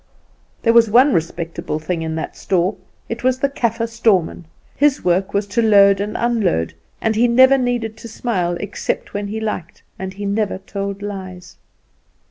There was one respectable thing in that store it was the Kaffer storeman. His work was to load and unload, and he never needed to smile except when he liked, and he never told lies.